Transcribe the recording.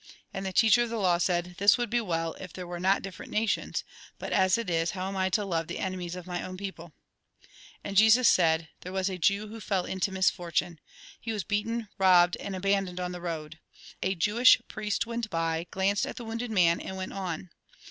And the teacher of the law said :" This would be well, if there were not different nations ; but as it is, how am I to love the enemies of my own people ?" And Jesus said :" There was a Jew who fell into misfortune. He was beaten, robbed, and abandoned on the road. A Jewish priest went by, glanced at the wounded man, and went on.